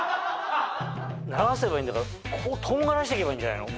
流せばいいんだからとんがらしていけばいいんじゃないの？